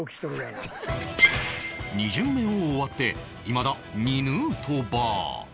２巡目を終わっていまだ２ヌートバー